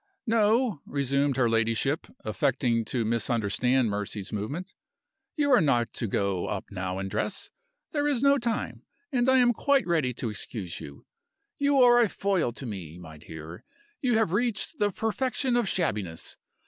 "No," resumed her ladyship, affecting to misunderstand Mercy's movement, "you are not to go up now and dress. There is no time, and I am quite ready to excuse you. You are a foil to me, my dear. You have reached the perfection of shabbiness.